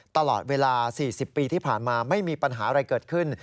ตลอดเวลา๔๐ปีที่ผ่านมาไม่มีปัญหาอะไรเกิดขึ้น